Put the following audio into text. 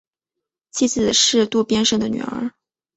妻子是渡边胜的女儿。